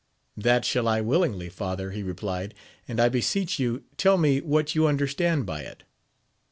That shall I willingly, father, he replied, and I beseech you tell me what you understand by it.